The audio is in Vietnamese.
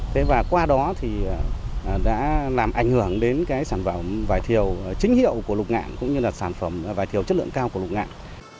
thế và qua đó thì đã làm ảnh hưởng đến cái sản phẩm vải thiều chính hiệu của lục ngạn cũng như là sản phẩm vải thiều chất lượng cao của lục ngạn